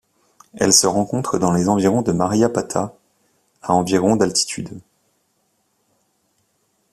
Elle se rencontre dans les environs de Maraypata à environ d'altitude.